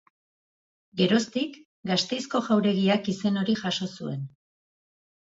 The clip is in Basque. Geroztik, Gasteizko jauregiak izen hori jaso zuen.